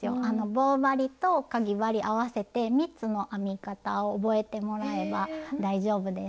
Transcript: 棒針とかぎ針合わせて３つの編み方を覚えてもらえば大丈夫です。